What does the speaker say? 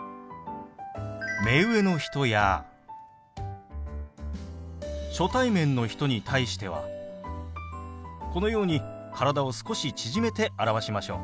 目上の人や初対面の人に対してはこのように体を少し縮めて表しましょう。